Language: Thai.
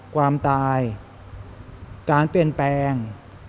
ความตายการเปลี่ยนแปลง